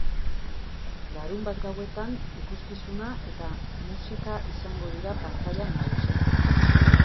Larunbat gauetan ikuskizuna eta musika izango dira pantailan nagusi.